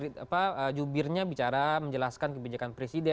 ada juga apa jubirnya bicara menjelaskan kebijakan presiden